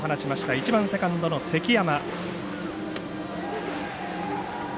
１番セカンドの関山。